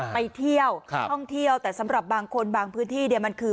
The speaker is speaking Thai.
ไปเที่ยวท่องเที่ยวแต่สำหรับบางคนบางพื้นที่เนี่ยมันคือ